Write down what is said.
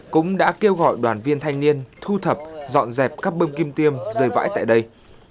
cũng đã kêu gọi đoàn viên thanh niên thu thập dọn dẹp các bơm kim tiêm rơi vãi tại đây